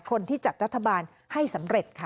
คนที่จัดรัฐบาลให้สำเร็จค่ะ